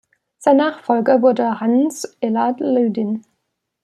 Sein Nachfolger wurde Hanns Elard Ludin.